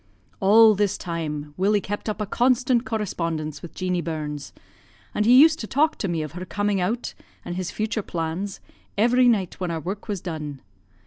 "All this time Willie kept up a constant correspondence with Jeanie Burns, and he used to talk to me of her coming out, and his future plans, every night when our work was done.